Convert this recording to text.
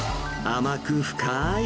甘く深ーい